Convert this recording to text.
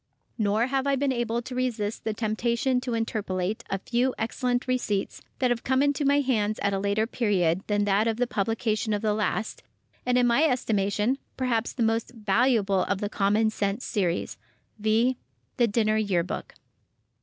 Nor have I been able to resist the temptation to interpolate a few excellent receipts that have come into my hands at a later period than that of the publication of the last, and in my estimation, perhaps the most valuable of the "Common Sense Series," viz.: "THE DINNER YEAR BOOK."